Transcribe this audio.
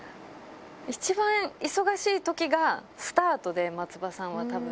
一番忙しいときが、スタートで、松葉さんはたぶん。